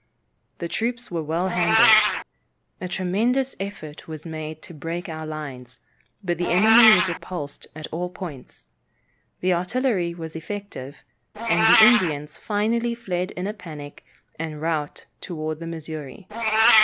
The troops were well handled. A tremendous effort was made to break our lines, but the enemy was repulsed at all points. The artillery was effective, and the Indians finally fled in a panic and rout towards the Missouri.